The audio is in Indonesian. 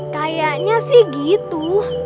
kayaknya sih gitu